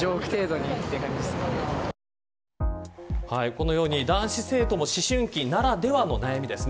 このように男子生徒も思春期ならではの悩みです。